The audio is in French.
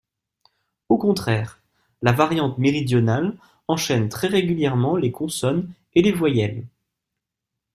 Au contraire, la variante méridionale enchaîne très régulièrement les consonnes et les voyelles.